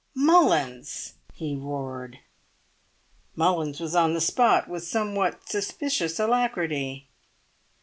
"Mullins!" he roared. Mullins was on the spot with somewhat suspicious alacrity.